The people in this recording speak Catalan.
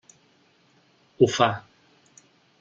Ho fa.